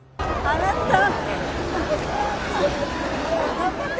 あなたは？